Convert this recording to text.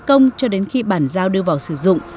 thì công cho đến khi bàn giao đưa vào sử dụng